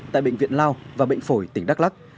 tại bệnh viện lao và bệnh phổi tỉnh đắk lắc